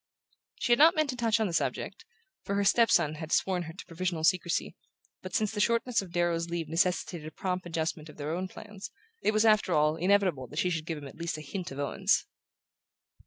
She had not meant to touch on the subject, for her step son had sworn her to provisional secrecy; but since the shortness of Darrow's leave necessitated a prompt adjustment of their own plans, it was, after all, inevitable that she should give him at least a hint of Owen's.